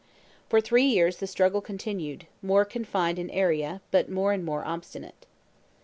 For three years the struggle continued, more confined in area, but more and more obstinate.